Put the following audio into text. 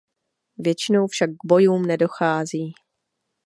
Většinou však k bojům nedochází.